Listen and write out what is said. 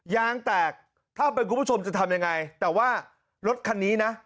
ยางแตกถ้าเป็นคุณผู้ชมจะทำยังไงแต่ว่ารถคันนี้นะ